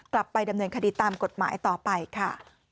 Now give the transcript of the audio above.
กลับไปดำเนินคดีตามกฎหมายต่อไปค่ะ